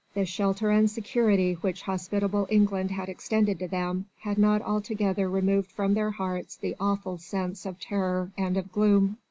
The shelter and security which hospitable England had extended to them, had not altogether removed from their hearts the awful sense of terror and of gloom.